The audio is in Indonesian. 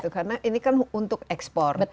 karena ini kan untuk ekspor